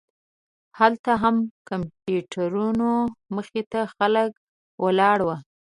هلته هم د کمپیوټرونو مخې ته خلک ولاړ وو.